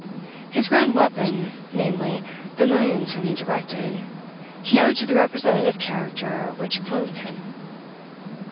His grand weapon, namely, the millions whom he directed, he owed to the representative character which clothed him.